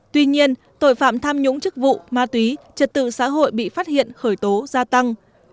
tuy nhiên tội phạm tham nhũng chức vụ ma túy trật tự xã hội bị phát hiện khởi tố gia tăng